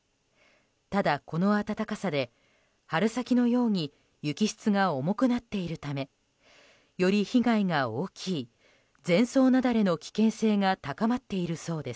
ただ、この暖かさで春先のように雪質が重くなっているためより被害が大きい全層雪崩の危険が高まっているそうです。